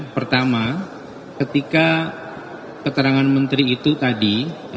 pertama ketika keterangan menteri itu tadi